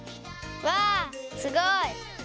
わあすごい！